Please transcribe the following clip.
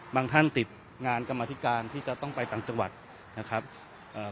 ท่านติดงานกรรมธิการที่จะต้องไปต่างจังหวัดนะครับเอ่อ